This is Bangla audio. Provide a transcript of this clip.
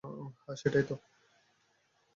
হ্যাঁ, সেটাই তো।